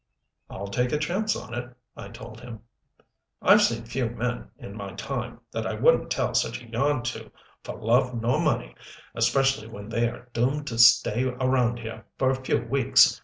"I'll take a chance on it," I told him. "I've seen a few men, in my time, that I wouldn't tell such a yarn to for love nor money especially when they are doomed to stay around here for a few weeks.